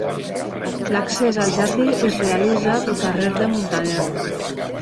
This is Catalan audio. L'accés al jardí es realitza pel carrer de Muntaner.